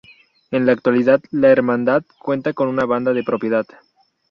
En la actualidad, la Hermandad cuenta con una banda de propiedad.